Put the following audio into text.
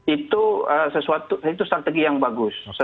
itu strategi yang bagus